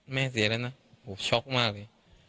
แม่เสียแล้วนะโอ้โหช็อกมากเลย